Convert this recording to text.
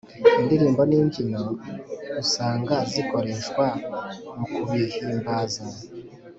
indirimbo n’imbyino usanga zikoreshwa mu kubihimbaza.